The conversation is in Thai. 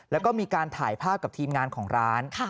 แล้วก็มีการถ่ายภาพกับทีมงานของร้าน